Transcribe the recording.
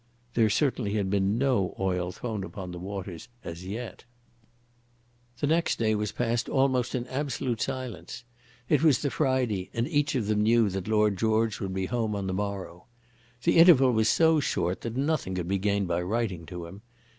There certainly had been no oil thrown upon the waters as yet. The next day was passed almost in absolute silence. It was the Friday, and each of them knew that Lord George would be home on the morrow. The interval was so short that nothing could be gained by writing to him.